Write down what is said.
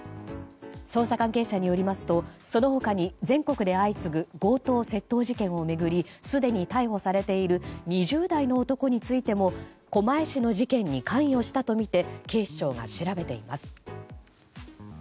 捜査関係者によりますとその他に全国で相次ぐ強盗・窃盗事件を巡りすでに逮捕されている２０代の男についても狛江市の事件に関与したとみて警視庁が調べています。